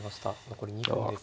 残り２分です。